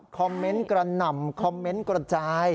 คอมเมนต์กระหน่ำคอมเมนต์กระจาย